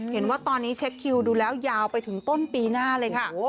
เห็นว่าตอนนี้เช็คคิวดูแล้วยาวไปถึงต้นปีหน้าเลยค่ะ